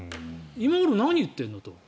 今頃、何言ってんのと。